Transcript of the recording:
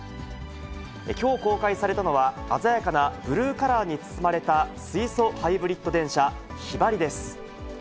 きょう公開されたのは、鮮やかなブルーカラーに包まれた水素ハイブリッド電車、ヒバリです。